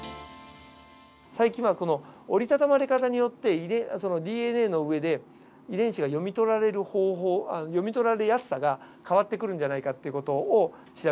最近は折りたたまれ方によってＤＮＡの上で遺伝子が読み取られる方法読み取られやすさが変わってくるんじゃないかっていう事を調べようとしてます。